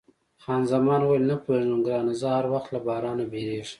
خان زمان وویل، نه پوهېږم ګرانه، زه هر وخت له بارانه بیریږم.